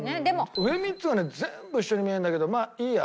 上３つはね全部一緒に見えるんだけどまあいいや。